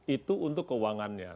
itu untuk keuangannya